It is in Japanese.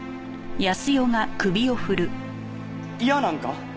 嫌なんか？